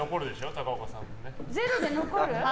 高岡さんも。